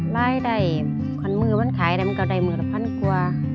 ล่ายได้ความมือมันขายได้มันก็ได้๑๐๐๐๐กว่า